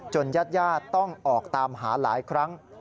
ญาติญาติต้องออกตามหาหลายครั้ง